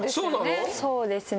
そうですね。